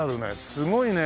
すごいね。